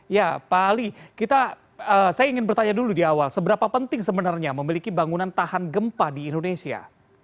ya pak ali saya ingin bertanya dulu di awal seberapa penting sebenarnya memiliki bangunan tahan gempa di indonesia